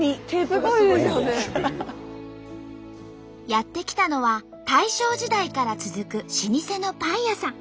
やって来たのは大正時代から続く老舗のパン屋さん。